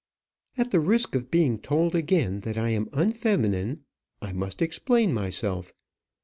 "At the risk of being told again that I am unfeminine, I must explain myself.